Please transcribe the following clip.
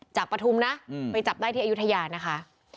ปฐุมนะไปจับได้ที่อายุทยานะคะ